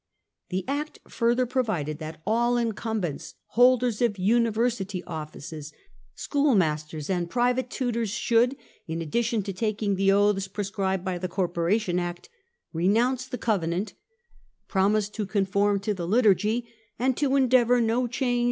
The Act further provided that all incumbents, holders of university offices, schoolmasters, and private tutors, should, in addition to taking the oaths prescribed by the Corporation Act, renounce the Covenant, promise to conform to the Liturgy and to * endeavour no change or mm